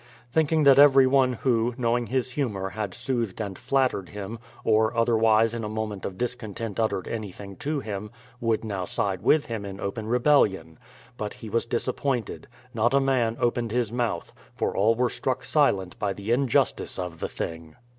Thinking that everyone who, knowing his humour, had soothed and flattered him, or otherwise in a moment of discontent uttered anything to him, would now side with him in open rebellion. But he was disappointed ; not a man opened his mouth, for all were struck silent by the injustice of the thing.